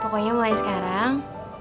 pokoknya mulai sekarang